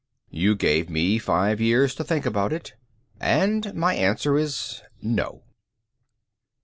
"You gave me five years to think about it. And my answer is no."